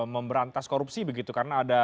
memberantas korupsi karena